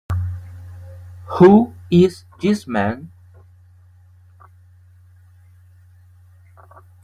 Who is this man?